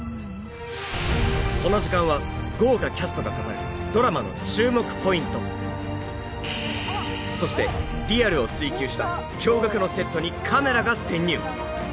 この時間は豪華キャストが語るドラマの注目ポイントそしてリアルを追求した驚愕のセットにカメラが潜入